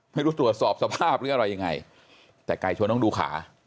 ไม่รู้ตรวจสอบสภาพหรืออะไรยังไงแต่ไก่ชนต้องดูขา